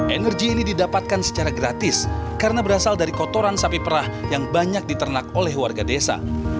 energi ini didapatkan secara gratis karena berasal dari kotoran sapi perah yang banyak diternak oleh warga desa